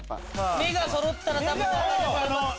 目がそろったら多分分かると思います。